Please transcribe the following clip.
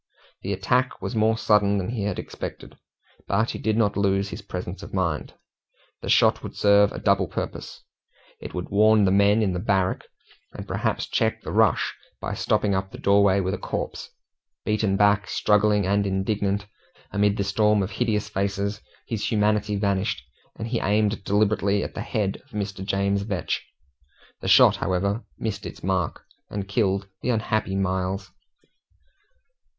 The attack was more sudden then he had expected, but he did not lose his presence of mind. The shot would serve a double purpose. It would warn the men in the barrack, and perhaps check the rush by stopping up the doorway with a corpse. Beaten back, struggling, and indignant, amid the storm of hideous faces, his humanity vanished, and he aimed deliberately at the head of Mr. James Vetch; the shot, however, missed its mark, and killed the unhappy Miles.